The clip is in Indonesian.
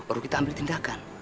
baru kita ambil tindakan